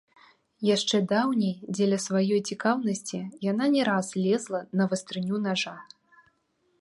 Яшчэ даўней дзеля сваёй цікаўнасці яна не раз лезла на вастрыню нажа.